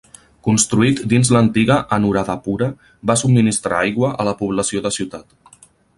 Construït dins l'antiga Anuradhapura, va subministrar aigua a la població de ciutat.